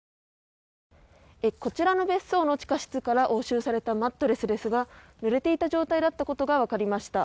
こちらの別荘の地下室から押収されたマットレスですがぬれていた状態だったことが分かりました。